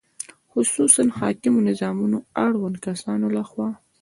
خصوصاً حاکمو نظامونو اړوندو کسانو له خوا